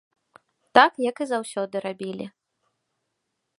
Так, як і заўсёды рабілі.